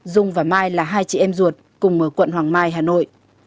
dung và mai là hai chị em ruột cùng ở quận hoàng mai hà nội